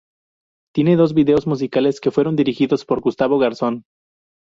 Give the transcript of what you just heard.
Tiene dos videos musicales que fueron dirigidos por Gustavo Garzón.